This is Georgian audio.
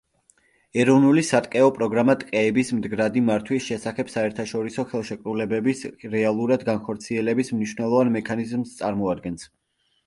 ეროვნული სატყეო პროგრამა ტყეების მდგრადი მართვის შესახებ საერთაშორისო ხელშეკრულებების რეალურად განხორციელების მნიშვნელოვან მექანიზმს წარმოადგენს.